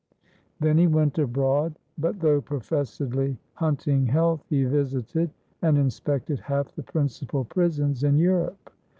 Then he went abroad, but though professedly hunting health he visited and inspected half the principal prisons in Europe.